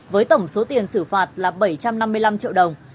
với tổng số tiền xử phạt là bảy trăm năm mươi năm triệu đồng